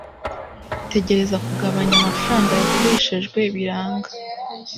Tugerageza kugabanya amafaranga yakoreshejwe biranga.